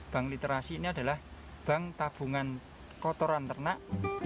bank literasi ini adalah bank tabungan kotoran ternak